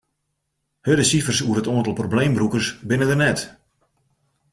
Hurde sifers oer it oantal probleembrûkers binne der net.